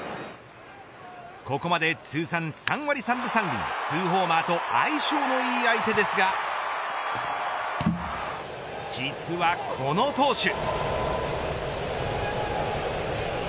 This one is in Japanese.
ここまで通算３割３分３厘２ホーマーと相性のいい相手ですが実はこの投手。